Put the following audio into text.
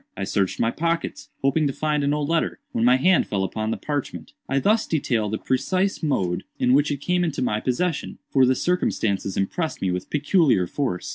I searched my pockets, hoping to find an old letter, when my hand fell upon the parchment. I thus detail the precise mode in which it came into my possession; for the circumstances impressed me with peculiar force.